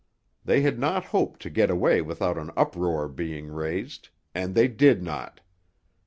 They had not hoped to get away without an uproar being raised, and they did not.